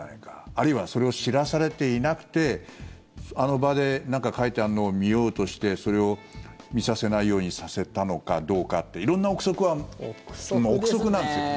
あるいはそれを知らされていなくてあの場でなんか書いてあるのを見ようとしてそれを見させないようにさせたのかどうかって色んな臆測はまあ臆測なんですよ。